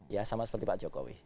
ya sama seperti pak jokowi